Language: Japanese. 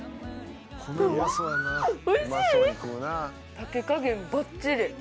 炊き加減ばっちり！